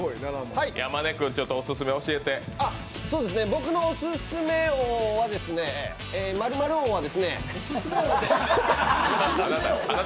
僕のオススメ王は○○王はですね